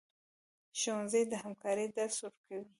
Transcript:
ښوونځی د همکارۍ درس ورکوي